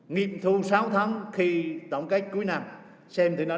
nghiệp thu sáu tháng khi tổng thể phát triển mạng lưới y tế công an nhân dân